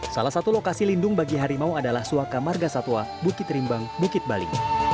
salah satu lokasi lindung bagi harimau adalah suwaka margasatwa bukit rimbang bukit bali